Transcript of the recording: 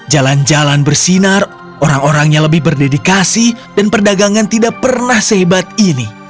jalan jalan bersinar orang orangnya lebih berdedikasi dan perdagangan tidak pernah sehebat ini